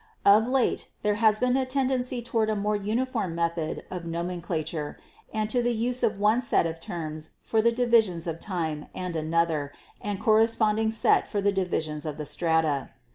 Of late there has been a tendency toward a more uniform method of nomen clature, and to the use of one set of terms for the divi sions of time and another and corresponding set for the divisions of the strata.